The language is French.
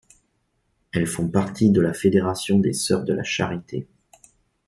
Elles font partie de la fédération des Sœurs de la charité.